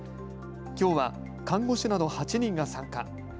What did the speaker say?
きょうは、看護師など８人が参加。